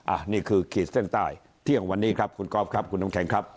อันนี้คือขีดเส้นใต้เที่ยงวันนี้ครับคุณกอล์ฟครับคุณน้ำแข็งครับ